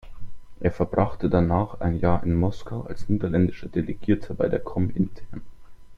Er verbrachte danach ein Jahr in Moskau als niederländischer Delegierter bei der Komintern.